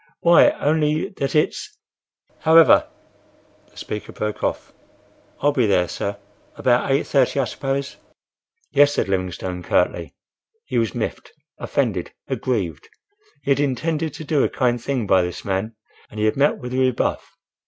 "Why, only—that it's—. However,—" The speaker broke off. "I'll be there, sir. About eight thirty, I suppose?" "Yes," said Livingstone, curtly. He was miffed, offended, aggrieved. He had intended to do a kind thing by this man, and he had met with a rebuff.